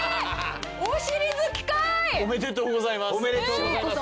おめでとうございます。